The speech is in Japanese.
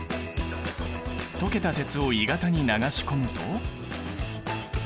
溶けた鉄を鋳型に流し込むと。